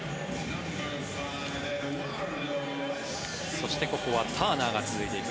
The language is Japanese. そしてここはターナーが続いていく。